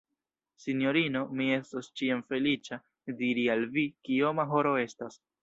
Sinjorino, mi estos ĉiam feliĉa, diri al vi, kioma horo estas.